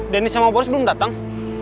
denis sama boris belum datang